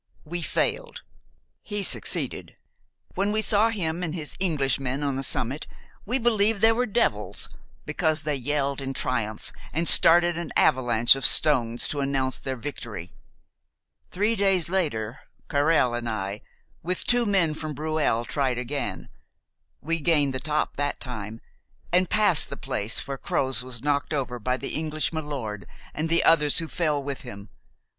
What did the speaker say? We failed; he succeeded. When we saw him and his Englishmen on the summit, we believed they were devils, because they yelled in triumph, and started an avalanche of stones to announce their victory. Three days later, Carrel and I, with two men from Breuil, tried again. We gained the top that time, and passed the place where Croz was knocked over by the English milord and the others who fell with him.